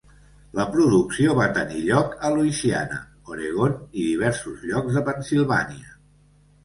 La producció va tenir lloc a Louisiana, Oregon i diversos llocs de Pennsilvània.